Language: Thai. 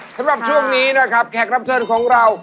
สำหรับช่วงนี้นะครับแขกรับเชิญของเรา